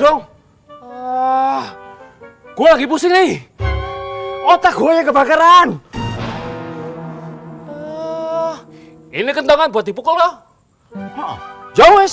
mau gue lagi pusing nih otak gue kebakaran ini kentangan buat dipukul jauh